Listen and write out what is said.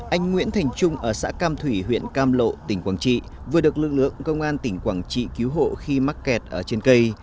anh nguyễn thành trung ở xã cam thủy huyện cam lộ tỉnh quảng trị vừa được lực lượng công an tỉnh quảng trị cứu hộ khi mắc kẹt ở trên cây